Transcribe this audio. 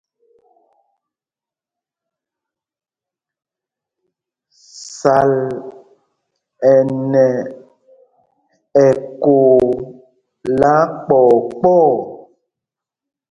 Sal ɛ nɛ ɛkoo lɛ́ akpɔɔ kpɔɔ.